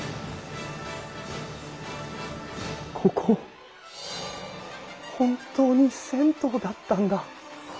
ここ本当に銭湯だったんだ。